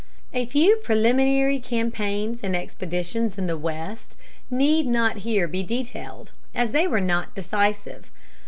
A few preliminary campaigns and expeditions in the West need not here be detailed, as they were not decisive.